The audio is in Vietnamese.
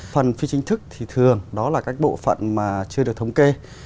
phần phi chính thức thì thường đó là các bộ phận mà chưa được thống kê